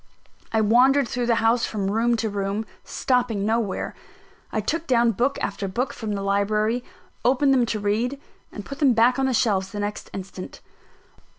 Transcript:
I wandered through the house from room to room, stopping nowhere. I took down book after book from the library, opened them to read, and put them back on the shelves the next instant.